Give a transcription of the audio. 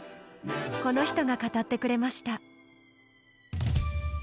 この人が語ってくれました。